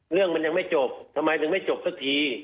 เรื่องมันยังไม่จบทำไมถึงไม่จบสักที